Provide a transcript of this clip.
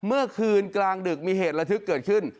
เมื่อคืนกลางดึกมีเหตุระทึกเกิดขึ้น